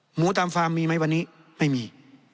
หมูตามฟาร์มมีไหมวันนี้ไม่มี